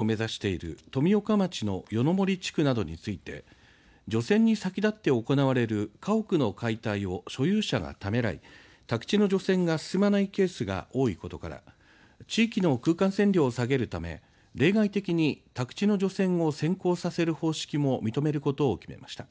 環境省は再来年の避難指示解除を目指している富岡町の夜の森地区などについて除染に先だって行われる家屋の解体を所有者がためらい宅地の除染が進まないケースが多いことから地域の空間線量を下げるため例外的に宅地の除染を先行させる方式も認めることを決めました。